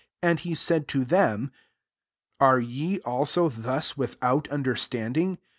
18 And he said to them, « Are ye, also, thus with out understanding